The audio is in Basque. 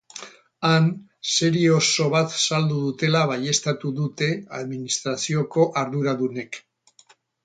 Han, serie oso bat saldu dutela baieztatu dute administrazioko arduradunek.